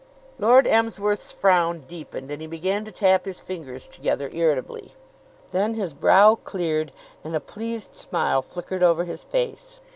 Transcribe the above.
Lord Emsworth's frown deepened and he began to tap his fingers together irritably. Then his brow cleared and a pleased smile flickered over his face.